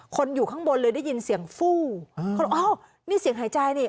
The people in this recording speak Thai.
คนอยู่ข้างบนเลยได้ยินเสียงฟู้เขารู้ว่าอ้อนี่เสียงหายใจนี่